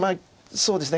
そうですね